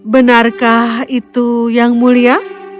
benarkah itu yang mulia